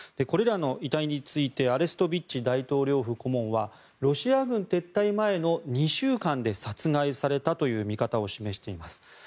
これらの遺体についてアレストビッチ大統領府顧問はロシア軍撤退前の２週間で殺害されたという見方を示しています。